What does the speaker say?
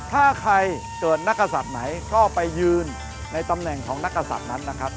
ถ้าใครเกิดนักศัตริย์ไหนก็ไปยืนในตำแหน่งของนักกษัตริย์นั้นนะครับ